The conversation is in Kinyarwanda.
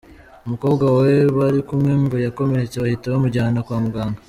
Umukobwa we bari kumwe ngo yakomeretse bahita bamujyana kwa muganga.